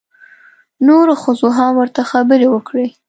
نورو ښځو هم ورته خبرې وکړې.